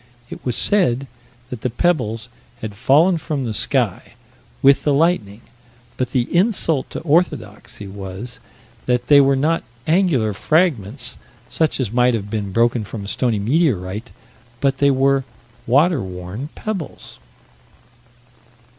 It was said that the pebbles had fallen from the sky, with the lightning. But the insult to orthodoxy was that they were not angular fragments such as might have been broken from a stony meteorite: that they were "water worn pebbles."